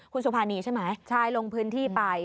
คุณสุภานีใช่ไหมใช่ลงพื้นที่ไป